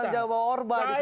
jangan jawab bahwa orba disini